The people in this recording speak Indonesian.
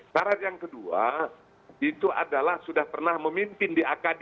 syarat yang kedua itu adalah sudah pernah memimpin di akd